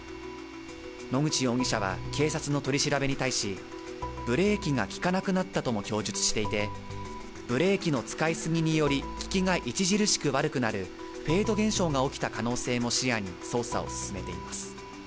野口容疑者は、警察の取り調べに対し、ブレーキが利かなくなったとも供述していて、ブレーキの使い過ぎにより利きが著しく悪くなるフェード現象が起きた可能性も視野に捜査を進めています。